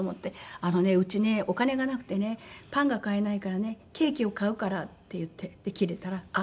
「あのねうちねお金がなくてねパンが買えないからねケーキを買うから」って言って切れたらあっ。